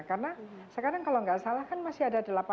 karena sekarang kalau nggak salah kan masih ada